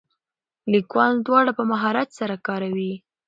لیکوال دواړه په مهارت سره کاروي.